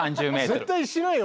絶対しないよ